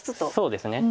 そうですね。